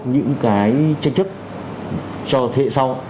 những cái tranh chấp cho thế hệ sau